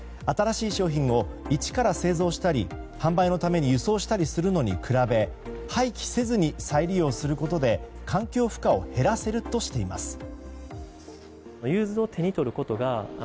新しい商品を一から製造したり販売のために輸送したりするのに比べ廃棄せずに再利用することで、環境負荷を減らせるとしています。